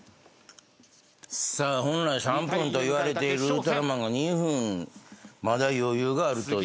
さあ本来３分といわれているウルトラマンが２分まだ余裕があるという。